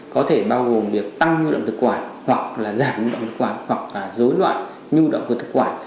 có thể bao gồm việc tăng nhu động thực quản hoặc là giảm nhu động thực quản hoặc là dối loạn nhu động của thực quản